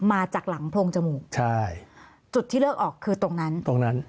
มาจากหลังพรงจมูกจุดที่เลือกออกคือตรงนั้นใช่